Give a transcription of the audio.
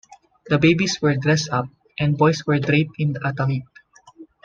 The babies were dressed up, and boys were draped in a tallit.